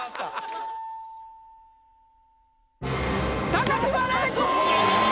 高島礼子！